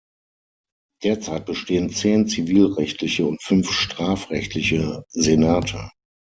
Derzeit bestehen zehn zivilrechtliche und fünf strafrechtliche Senate.